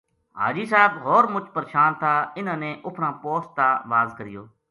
حاجی صاحب ہور مُچ پرشان تھا اِنھاں نے اُپھراں پوسٹ تا واز کریو